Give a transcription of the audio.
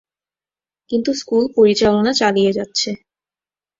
কিন্তু স্কুল পরিচালনা চালিয়ে যাচ্ছে।